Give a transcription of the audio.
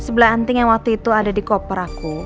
sebelah anting yang waktu itu ada di koper aku